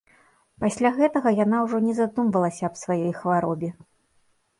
Пасля гэтага яна ўжо не задумвалася аб сваёй хваробе.